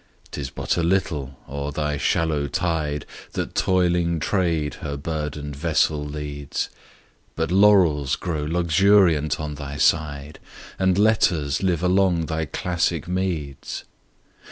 'Tis but a little, o'er thy shallow tide, That toiling trade her burden'd vessel leads; But laurels grow luxuriant on thy side, And letters live along thy classic meads.